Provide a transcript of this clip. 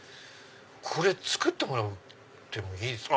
作ってもらってもいいですか？